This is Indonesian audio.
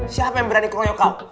siapa yang berani keroyok kau